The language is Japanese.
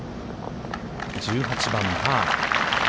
１８番パー。